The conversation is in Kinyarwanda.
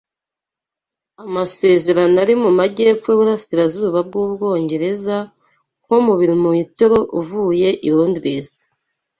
Amasezerano ari mu majyepfo yuburasirazuba bwUbwongereza, nko mu birometero uvuye i Londres.